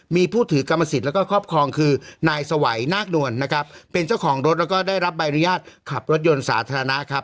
มีผู้ถือกรรมสิทธิ์แล้วก็ครอบครองคือนายสวัยนาคนวลนะครับเป็นเจ้าของรถแล้วก็ได้รับใบอนุญาตขับรถยนต์สาธารณะครับ